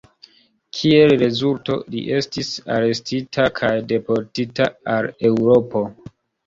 Kiel rezulto, li estis arestita kaj deportita al Eŭropo.